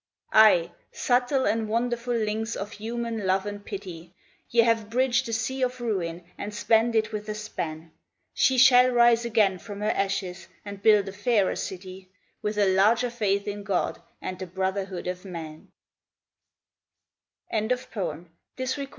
Aye, subtle and wonderful links of human love and pity, Ye have bridged the sea of ruin, and spanned it with a span! She shall rise again from her ashes and build a fairer city, With a larger faith in God, and the Brotherhood of Man, THE LEGEND OF THE NEW YEAR.